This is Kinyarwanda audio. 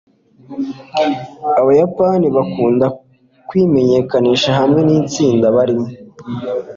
abayapani bakunda kwimenyekanisha hamwe nitsinda barimo